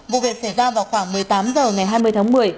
vụ việc xảy ra vào khoảng một mươi tám h ngày hai mươi tháng một mươi